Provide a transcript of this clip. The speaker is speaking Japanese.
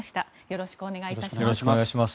よろしくお願いします。